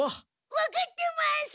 わかってます！